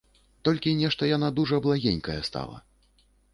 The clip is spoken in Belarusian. Толькі нешта яна дужа благенькая стала.